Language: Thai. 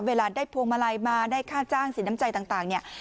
เวลาได้พวงมาลัยมาได้ค่าจ้างสินน้ำใจต่างเนี่ย